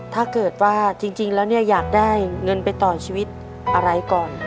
ถ้าเกิดว่าจริงแล้วเนี่ยอยากได้เงินไปต่อชีวิตอะไรก่อน